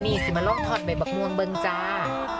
นี่สิมาลองถอดใบมะม่วงเบิ้งจ้า